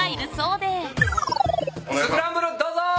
スクランブルどうぞ。